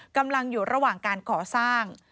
กำลังอยู่ระหว่างการก่อสร้าง